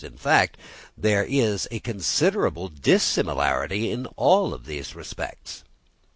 In fact, there is a considerable dissimilarity in all these respects.